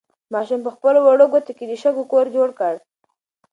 ماشوم په خپلو وړوکو ګوتو د شګو کور جوړ کړ.